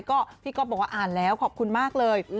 ก็พี่ก๊อฟบอกว่าอ่านแล้วขอบคุณมากเลย